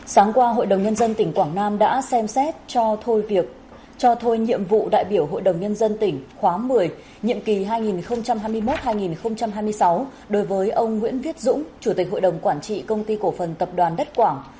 sáng qua hội đồng nhân dân tỉnh quảng nam đã xem xét cho thôi việc cho thôi nhiệm vụ đại biểu hội đồng nhân dân tỉnh khóa một mươi nhiệm kỳ hai nghìn hai mươi một hai nghìn hai mươi sáu đối với ông nguyễn viết dũng chủ tịch hội đồng quản trị công ty cổ phần tập đoàn đất quảng